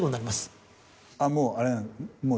あっもうあれなの？